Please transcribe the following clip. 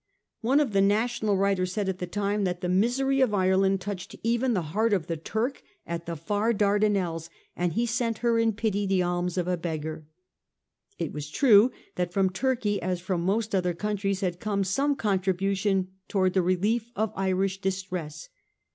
One of the national writers said at the time that the misery of Ireland touched ' even the heart of the Turk at the far Dar danelles, and he sent her in pity the alms of a beggar.' It was true that from Turkey as from most other countries had come some contribution towards the relief of Irish distress.